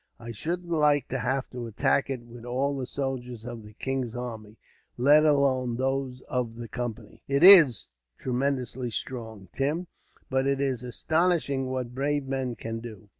I shouldn't like to have to attack it, wid all the soldiers of the King's army, let alone those of the Company." "It is tremendously strong, Tim, but it is astonishing what brave men can do."